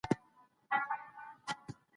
ولسي جرګه به د معلولينو حقونو ته پاملرنه وکړي.